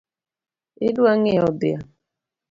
Idwa ngiewo dhiang’?